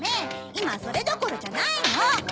いまそれどころじゃないの！